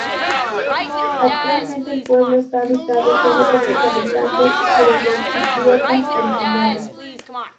Actualmente el pueblo está habitado sólo por sus habitantes grecochipriotas originales.